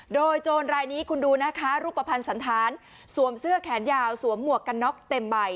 โดยโจรรายนี้คุณดูนะคะรูปภัณฑ์สันธารสวมเสื้อแขนยาวสวมหมวกกันน็อกเต็มใบ